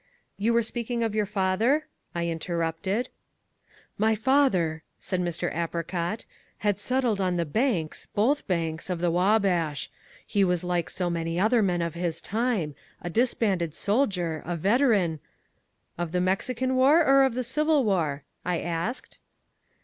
"You were speaking of your father?" I interrupted. "My father," said Mr. Apricot, "had settled on the banks, both banks, of the Wabash. He was like so many other men of his time, a disbanded soldier, a veteran " "Of the Mexican War or of the Civil War?" I asked.